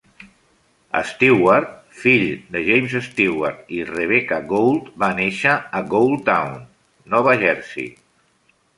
Steward, fill de James Steward i Rebecca Gould, va néixer a Gouldtown, Nova Jersey.